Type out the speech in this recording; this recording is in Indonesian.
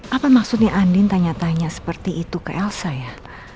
apa maksudnya andin tanya tanya seperti itu ke el saya